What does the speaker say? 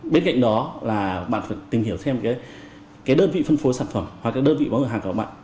bên cạnh đó là bạn phải tìm hiểu thêm cái đơn vị phân phối sản phẩm hoặc cái đơn vị bán hàng của bạn